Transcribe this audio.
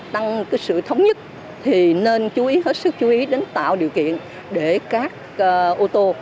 tăng sự thống nhất thì nên chú ý hết sức chú ý đến tạo điều kiện để các ô tô